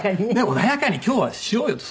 「穏やかに今日はしようよ」と。